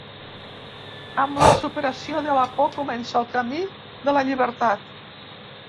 Amb la superació de la por comença el camí de la llibertat.